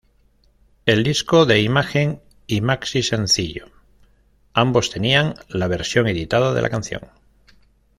El disco de imagen y maxi-sencillo-ambos tenían la versión editada de la canción.